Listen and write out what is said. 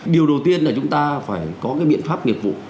điều đầu tiên là chúng ta phải có cái biện pháp nghiệp vụ